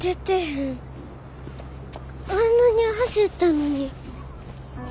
あんなに走ったのに。